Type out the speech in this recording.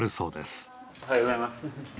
おはようございます。